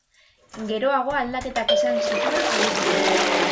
Geroago aldaketak izan zituen egituran.